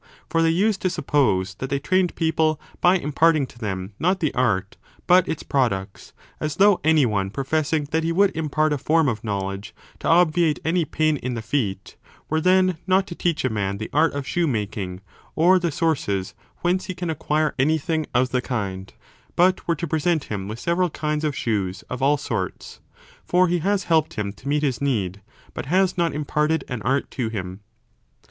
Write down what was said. For they used to suppose that they trained people by imparting to them not the art but its products, as though any one professing that he would impart a form of know ledge to obviate any pain in the feet, were then not to 5 teach a man the art of shoe making or the sources whence he can acquire anything of the kind, but were to present him with several kinds of shoes of all sorts : for he has helped him to meet his need, but has not imparted an art to him.